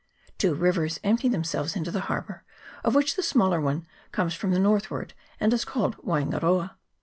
Two rivers empty themselves into the harbour, of which the smaller one comes from the north ward, and is called Waingaroa.